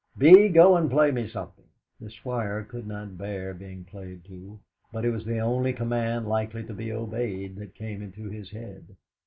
Bee, go and play me something." The Squire could not bear being played to, but it was the only command likely to be obeyed that came into his head.